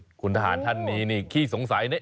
นี่คุณทหารท่านนี้ขี้สงสัย